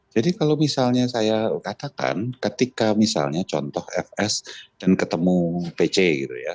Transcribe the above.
jadi kalau misalnya saya katakan ketika misalnya contoh fs dan ketemu pc gitu ya